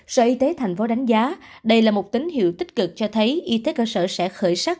sở y tế thành phố đánh giá đây là một tín hiệu tích cực cho thấy y tế cơ sở sẽ khởi sắc